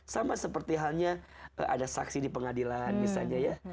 sama seperti halnya ada saksi di pengadilan misalnya ya